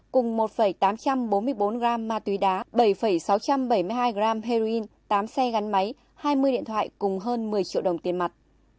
cùng một tám trăm bốn mươi bốn gram ma túy đá bảy sáu trăm bảy mươi hai gram heroin tám xe gắn máy hai mươi điện thoại cùng hơn một mươi triệu đồng tiền mặt